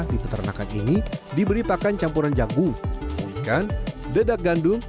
di peternakan ini diberi pakan campuran jagung ikan dedak gandum